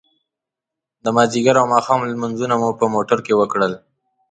د ماذيګر او ماښام لمونځونه مو په موټر کې وکړل.